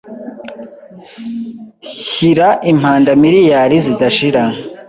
Shyira impanda miriyari zidashira